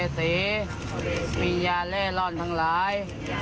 สัมปเวศีวิญญาณเล่ลอนทั้งหลาย